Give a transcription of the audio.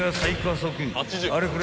［あれこれ